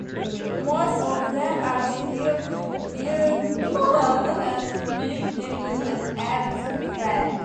Most of them are still bilingual and speak English and even French.